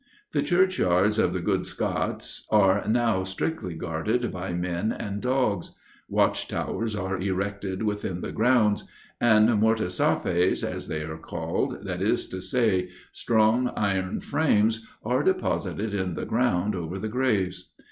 The churchyards of the "gude Scots" are now strictly guarded by men and dogs; watch towers are erected within the grounds, and mort safes, as they are called, that is to say, strong iron frames are deposited in the ground over the graves.